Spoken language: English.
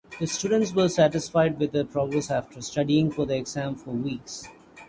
The students were satisfied with their progress after studying for the exam for weeks.